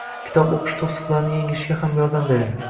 Kitob o‘qish to‘siqlarni yengishga ham yordam beradi.